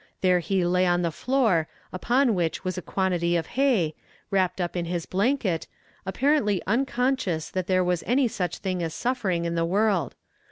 There he lay on the floor, upon which was a quantity of hay, wrapped up in his blanket, apparently unconscious that there was any such thing as suffering in the world.